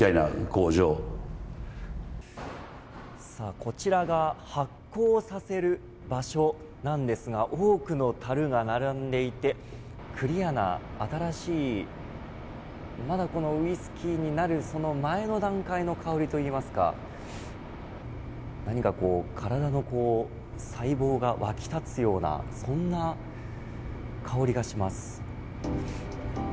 こちらが発酵させる場所なんですが多くのたるが並んでいてクリアな新しいまだこのウイスキーになるその前の段階の香りといいますか何かこう、体の細胞が沸き立つようなそんな香りがします。